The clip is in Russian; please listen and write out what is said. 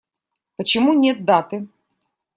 Почему нет даты?